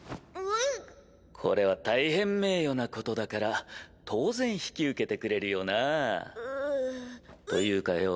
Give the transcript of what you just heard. これは大変名誉なことだから当然引き受けてくれるよなぁ？というかよ